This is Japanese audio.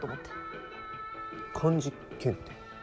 漢字検定？